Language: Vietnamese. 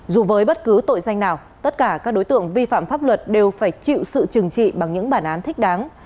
dù với bất cứ tội danh nào tất cả các đối tượng vi phạm pháp luật đều phải chịu sự trừng trị bằng những bản án thích đáng